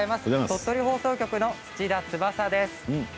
鳥取放送局の土田翼です。